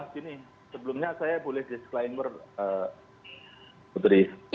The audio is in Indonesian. gini sebelumnya saya boleh disclaimer putri